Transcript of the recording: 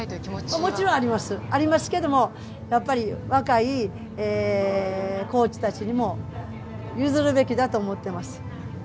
もちろんありますけれど、やっぱり若いコーチたちにも譲るべきだと思っています。